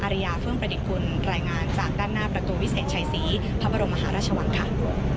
ริยาเฟื่องประดิษฐกุลรายงานจากด้านหน้าประตูวิเศษชัยศรีพระบรมมหาราชวังค่ะ